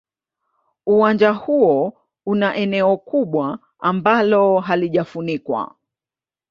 Uwanja huo una eneo kubwa ambalo halijafunikwa.